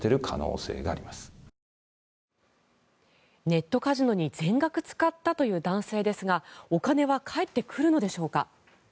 ネットカジノに全額使ったという男性ですがお金は返ってくるのでしょうか。